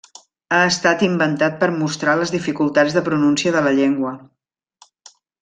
Ha estat inventat per mostrar les dificultats de pronúncia de la llengua.